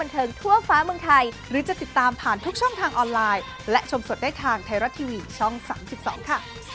บรรเทิงไทยรัก